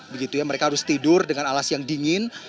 begitu ya mereka harus tidur dengan alas yang dingin